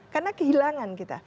karena kehilangan kita